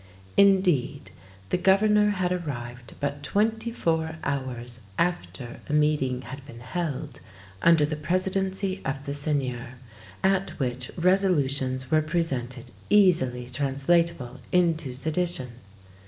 Indeed, the Governor had arrived but twenty four hours after a meeting had been held under the presidency of the Seigneur, at which resolutions were presented easily translatable into sedition.